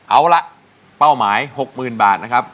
เอาล่ะเป้าหมาย๖หมื่นบาทนะครับ